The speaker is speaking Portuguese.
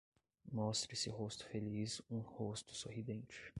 Mostre seu rosto feliz um rosto sorridente.